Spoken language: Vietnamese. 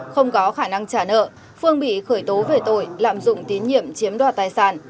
không có khả năng trả nợ phương bị khởi tố về tội lạm dụng tín nhiệm chiếm đoạt tài sản